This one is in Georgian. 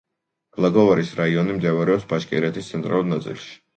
ბლაგოვარის რაიონი მდებარეობს ბაშკირეთის ცენტრალურ ნაწილში.